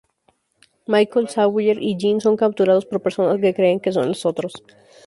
Michael, Sawyer, y Jin son capturados por personas que creen que son "Los Otros".